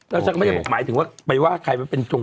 แล้วฉันก็ไม่ได้บอกหมายถึงว่าไปว่าใครมันเป็นชง